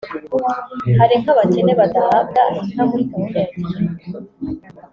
hari nk’abakene badahabwa inka muri gahunda ya Girinka